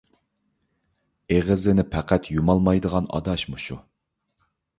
ئېغىزىنى پەقەت يۇمالمايدىغان ئاداش مۇشۇ.